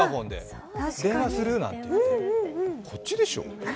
電話する？なんていって、こっちでしょう？